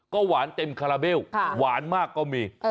ก็หวานเต็มคาราเบลหวานมากก็มี